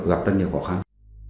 gặp rất nhiều khó khăn